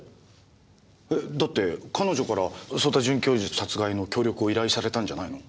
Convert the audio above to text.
えっだって彼女から曽田准教授殺害の協力を依頼されたんじゃないの？